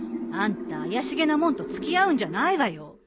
あんた怪しげなもんと付き合うんじゃないわよ。